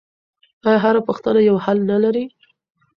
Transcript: آیا هره پوښتنه یو حل نه لري؟